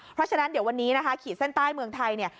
เพราะฉะนั้นเดี๋ยววันนี้นะคะขีดเส้นใต้เมืองไทยเนี่ย